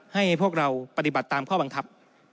ให้พวกเราปฏิบัติตามข้อบังคับ